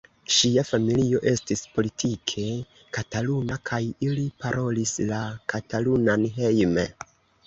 Ŝia familio estis politike kataluna kaj ili parolis la katalunan hejme.